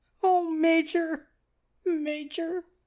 Oh, Major, Major!